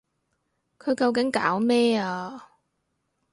佢究竟搞咩啊？